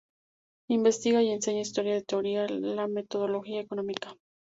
Investiga y enseña historia de la teoría y la metodología económica.